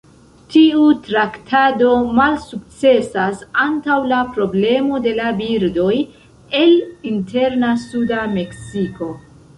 Tiu traktado malsukcesas antaŭ la problemo de la birdoj el interna suda Meksiko.